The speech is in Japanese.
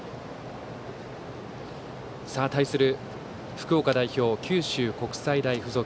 対する福岡代表、九州国際大付属。